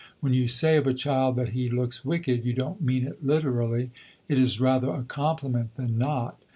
When you say of a child that he looks wicked, you don't mean it literally; it is rather a compliment than not.